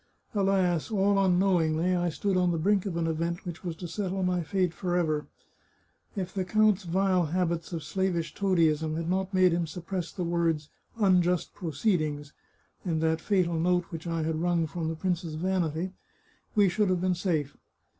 Alas, all unknowingly, I stood on the brink of an event which was to settle my fate forever. If the count's vile habits of slavish toadyism had not made him suppress the words * unjust proceedings ' in that fatal note which I had wrung from the prince's vanity, we should have been safe.